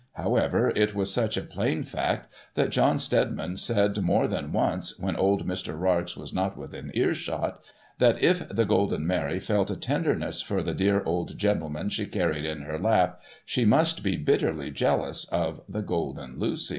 How ever, it was such a plain fact, that John Steadiman said more than once when old Mr. Rarx was not within earshot, that if the Golden Mary felt a tenderness for the dear old gentleman she carried in her lap, she must be bitterly jealous of the Golden Lucy.